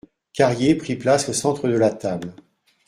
Carrier prit place au centre de la table.